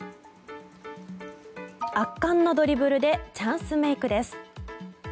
圧巻のドリブルでチャンスメイクです。